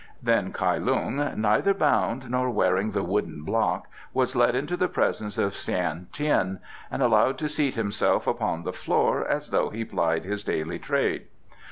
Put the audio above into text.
Then Kai Lung, neither bound nor wearing the wooden block, was led into the presence of Shan Tien, and allowed to seat himself upon the floor as though he plied his daily trade.